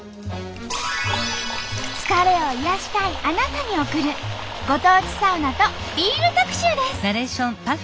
疲れを癒やしたいあなたに送るご当地サウナとビール特集です。